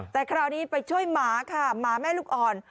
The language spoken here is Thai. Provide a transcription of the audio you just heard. แต่คราวนี้ไปช่วยหมาค่ะหมาแม่ลูกอ่อน